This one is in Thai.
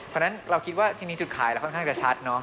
เพราะนั่นจุดขายค่อนข้างจะชัด